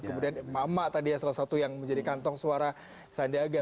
kemudian emak emak tadi ya salah satu yang menjadi kantong suara sandiaga